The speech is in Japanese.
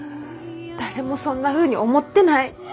誰もそんなふうに思ってない。